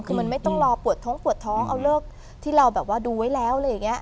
คือมันไม่ต้องรอปวดท้องปวดท้องเอาเลิกที่เราแบบว่าดูไว้แล้วอะไรอย่างนี้